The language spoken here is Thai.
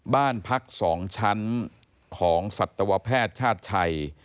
บ้านพัก๒ชั้นของสัตวแพทย์ชาติชัย